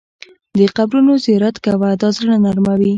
د قبرونو زیارت کوه، دا زړه نرموي.